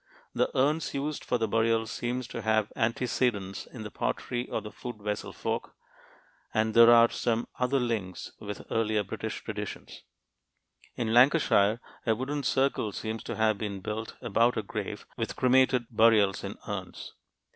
The urns used for the burials seem to have antecedents in the pottery of the Food vessel folk, and there are some other links with earlier British traditions. In Lancashire, a wooden circle seems to have been built about a grave with cremated burials in urns.